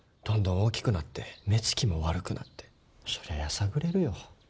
どんどん大きくなって目つきも悪くなってそりゃやさぐれるよ。